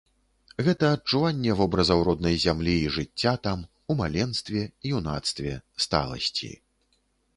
Гэта адчуванне вобразаў роднай зямлі і жыцця там, у маленстве, юнацтве, сталасці.